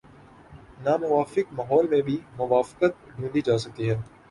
ناموافق ماحول میں بھی موافقت ڈھونڈی جا سکتی ہے۔